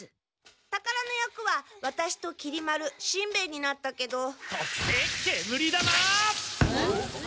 宝の役はワタシときり丸しんべヱになったけど特製煙玉！